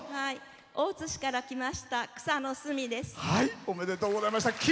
大津市から来ましたくさのです。